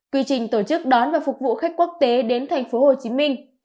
quy trình tổ chức đón và phục vụ khách quốc tế đến thành phố hồ chí minh